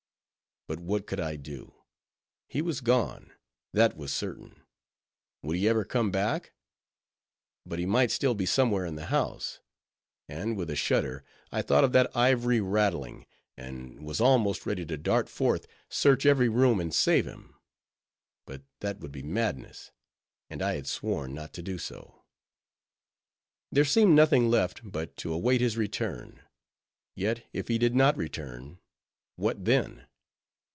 But what could I do? He was gone, that was certain;—would he ever come back? But he might still be somewhere in the house; and with a shudder, I thought of that ivory rattling, and was almost ready to dart forth, search every room, and save him. But that would be madness, and I had sworn not to do so. There seemed nothing left, but to await his return. Yet, if he did not return, what then?